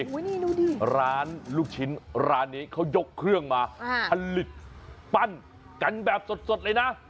นี่ดูดิร้านลูกชิ้นร้านนี้เขายกเครื่องมาผลิตปั้นกันแบบสดเลยนะ